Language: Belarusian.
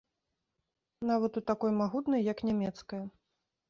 Нават у такой магутнай, як нямецкая.